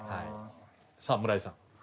さあ村井さん。